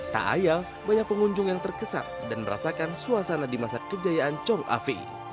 tak ayal banyak pengunjung yang terkesan dan merasakan suasana di masa kejayaan chong afi